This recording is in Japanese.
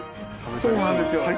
そうなんですよ。